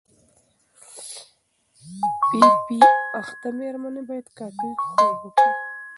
پی پي پي اخته مېرمنې باید کافي خوب وکړي.